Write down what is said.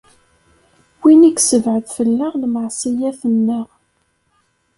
Win i yessebɛed fell-aɣ lmeɛṣeyyat-nneɣ.